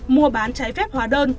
mua bán trái phép hỏa đơn